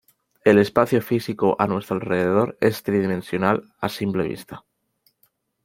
El espacio físico a nuestro alrededor es tridimensional a simple vista.